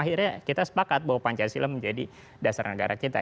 akhirnya kita sepakat bahwa pancasila menjadi dasar negara kita